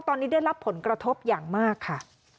ตอนนี้ได้รับผลกระทบอย่างมากค่ะ